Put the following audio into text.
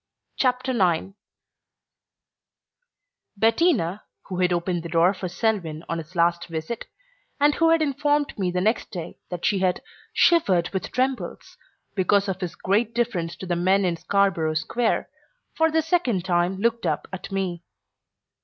CHAPTER IX Bettina, who had opened the door for Selwyn on his last visit, and who had informed me the next day that she had "shivered with trembles" because of his great difference to the men in Scarborough Square, for the second time looked up at me.